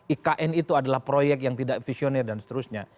ikn itu adalah proyek yang tidak visioner dan seterusnya